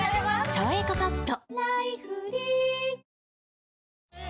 「さわやかパッド」